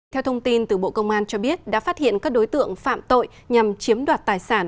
theo thông tin từ bộ công an cho biết đã phát hiện các đối tượng phạm tội nhằm chiếm đoạt tài sản